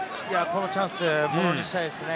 このチャンスを、ものにしたいですね。